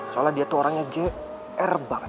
soalnya dia tuh orangnya gr banget